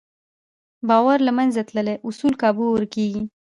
باور له منځه تللی، اصول کابو ورکېږي.